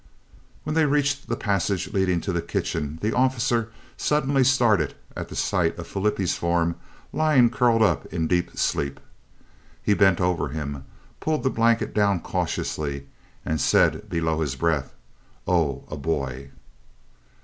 When they reached the passage leading to the kitchen the officer suddenly started at the sight of Flippie's form lying curled up in deep sleep. He bent over him, pulled his blanket down cautiously, and said below his breath, "Oh, a boy!"